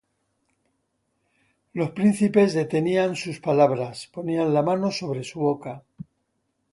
Los príncipes detenían sus palabras, Ponían la mano sobre su boca;